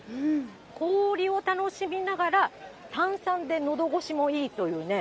氷を楽しみながら、炭酸でのど越しもいいというね。